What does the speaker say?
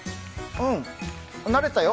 うん、なれたよ